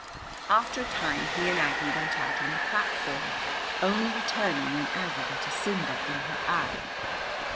After a time he and Aggie went out on the platform, only returning when Aggie got a cinder in her eye.